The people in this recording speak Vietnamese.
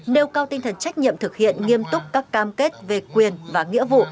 nêu cao tinh thần trách nhiệm thực hiện nghiêm túc các cam kết về quyền và nghĩa vụ